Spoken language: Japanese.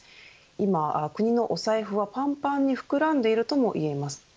今、国の財布は、ぱんぱんに膨らんでいるともいえます。